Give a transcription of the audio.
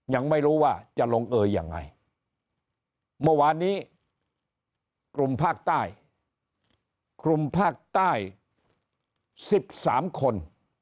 ยังไม่รู้ว่าจะลงเอยอย่างไงเมื่อวานี้กลุ่มภาคใต้๑๓คน